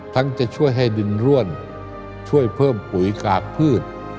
จะช่วยให้ดินร่วนช่วยเพิ่มปุ๋ยกากพืช